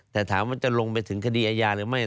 แต่ถามว่าจะลงไปถึงคดีอาญาหรือไม่